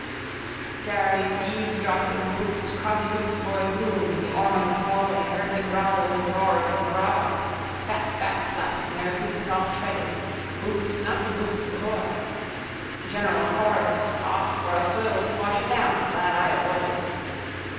Scaring eavesdropping boots croppy bootsboy Bloom in the Ormond hallway heard the growls and roars of bravo, fat backslapping, their boots all treading, boots not the boots the boy. General chorus off for a swill to wash it down. Glad I avoided.